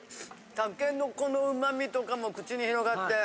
タケノコの旨みとかも口に広がって。